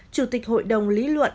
chủ tịch hội đồng lý luận